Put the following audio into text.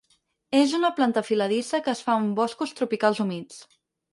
És una planta enfiladissa que es fa en boscos tropicals humits.